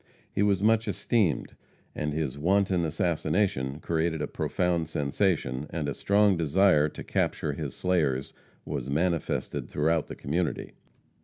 He was much esteemed, and his wanton assassination created a profound sensation, and a strong desire to capture his slayers was manifested throughout the community.